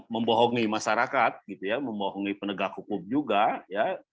membohongi masyarakat membohongi penegak hukum juga